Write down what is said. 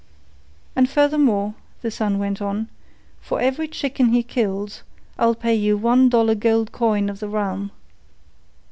"And furthermore," the son went on, "for every chicken he kills, I'll pay you one dollar gold coin of the realm."